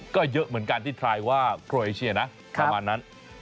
ก็เยอะเหมือนกันที่ทายว่าโครเอเชียนะประมาณนั้น